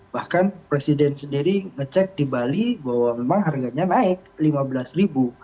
bahkan presiden sendiri ngecek di bali bahwa memang harganya naik rp lima belas ribu